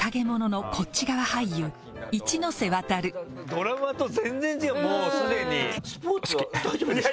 ドラマと全然違うもうすでに。